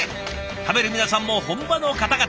食べる皆さんも本場の方々。